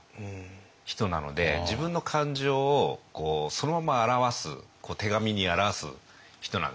なので自分の感情をそのまま表す手紙に表す人なんですね。